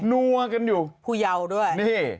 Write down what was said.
นัวกันอยู่ผู้เยาว์ด้วยนี่